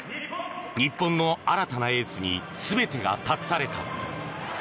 日本の新たなエースに全てが託された。